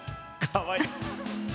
かわいい！